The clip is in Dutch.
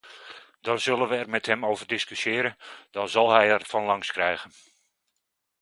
Dan zullen we er met hem over discussiëren, dan zal hij ervan langs krijgen.